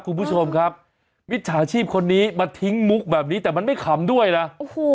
คุณผู้ชมครับมิจฉาชีพคนนี้มาทิ้งมุกแบบนี้แต่มันไม่ขำด้วยนะโอ้โห